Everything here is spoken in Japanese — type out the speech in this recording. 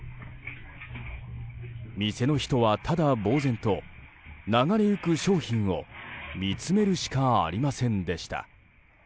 店音人は、ただぼうぜんと流れゆく商品を見つめるしかありませんでした。